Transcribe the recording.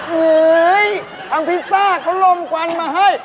เฮ้ยครั้งพิซซ่าเค้าลมกวันมาให้